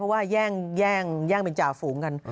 ว่าแย่งเป็นจ่าฝูงกัน